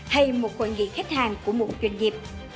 hay một hội nghị khách hàng của một doanh nghiệp